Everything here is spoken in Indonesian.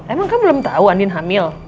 emang kan belum tahu andin hamil